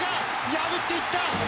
破っていった！